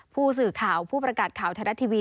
ผู้สื่อข่าวผู้ประกาศข่าวไทยรัฐทีวี